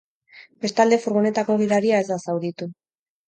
Bestalde, furgonetako gidaria ez da zauritu.